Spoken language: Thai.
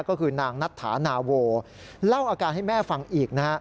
ก็คือนางนัทธานาโวเล่าอาการให้แม่ฟังอีกนะฮะ